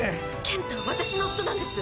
健太は私の夫なんです。